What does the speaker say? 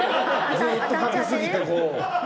ずっとかけすぎて、こう。